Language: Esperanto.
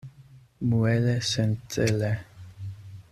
Muele sencele.